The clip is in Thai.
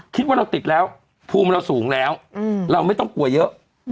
คิดว่าเราติดแล้วภูมิเราสูงแล้วเราไม่ต้องกลัวเยอะ